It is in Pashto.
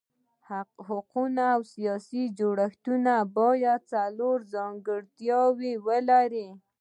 حقوقي او سیاسي جوړښت باید څلور ځانګړتیاوې ولري.